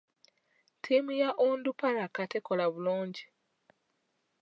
Ttiimu ya Onduparaka tekola bulungi.